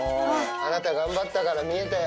あなた、頑張ったから見えたよ。